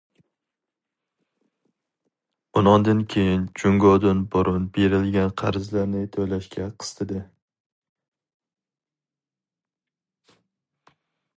ئۇنىڭدىن كېيىن جۇڭگودىن بۇرۇن بېرىلگەن قەرزلەرنى تۆلەشكە قىستىدى.